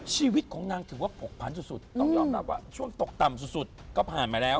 ชีวิตของนางถือว่าผกพันสุดต้องยอมรับว่าช่วงตกต่ำสุดก็ผ่านมาแล้ว